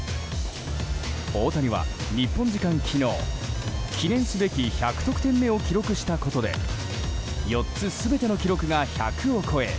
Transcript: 大谷は日本時間、昨日記念すべき１００得点目を記録したことで４つ全ての記録が１００を超え